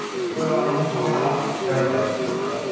これがあの息子が焼いたやつですか？